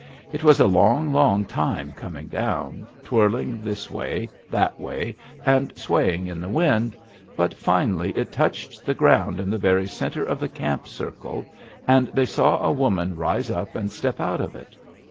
It was a long, long time coming down, twirling this way, that way, and swaying in the wind, but finally it touched the ground in the very center of the camp circle, and they saw a woman rise up and step out of it.